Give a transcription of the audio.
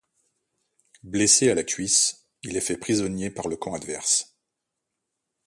Blessé à la cuisse, il est fait prisonnier par le camp adverse.